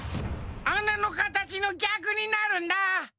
あなのかたちのぎゃくになるんだ。